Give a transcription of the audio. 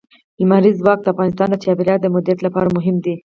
لمریز ځواک د افغانستان د چاپیریال د مدیریت لپاره مهم دي.